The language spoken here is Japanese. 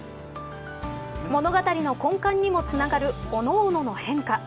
物語の根幹にもつながるおのおのの変化。